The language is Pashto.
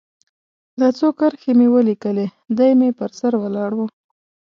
دا څو کرښې مې ولیکلې، دی مې پر سر ولاړ و.